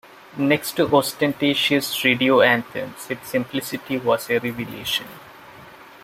Next to ostentatious radio anthems, its simplicity was a revelation.